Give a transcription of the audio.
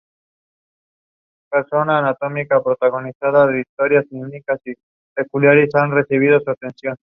Fue elegido como Romeo en "Romeo y Julieta".